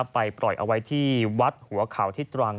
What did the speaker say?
ปล่อยเอาไว้ที่วัดหัวเขาที่ตรัง